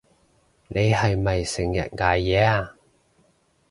你係咪成日捱夜啊？